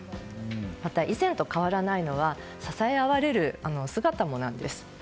また以前と変わらないのは支え合われるお姿もなんです。